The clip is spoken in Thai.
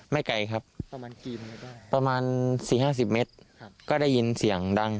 ไม่ไกลครับประมาณกี่ประมาณสี่ห้าสิบเมตรครับก็ได้ยินเสียงดัง